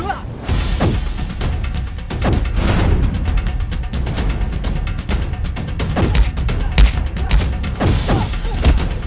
aku melakukan penyeryahan picon